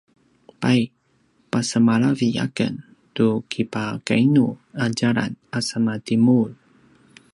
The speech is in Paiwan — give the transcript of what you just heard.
pay pasemalavi aken tu kipakainu a djalan a semaTimur?